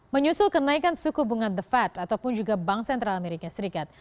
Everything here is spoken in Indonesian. menyusul kenaikan suku bunga the fed ataupun juga bank sentral amerika serikat